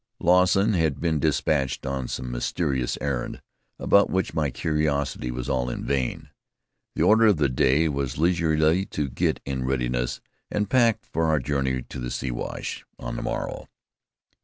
Lawson had been dispatched on some mysterious errand about which my curiosity was all in vain. The order of the day was leisurely to get in readiness, and pack for our journey to the Siwash on the morrow.